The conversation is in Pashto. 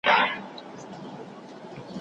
د احمدشاه بابا مقبره دلته موقعیت لري.